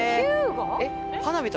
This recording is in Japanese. えっ？